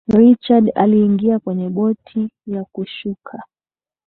richard aliingia kwenye boti ya kushuka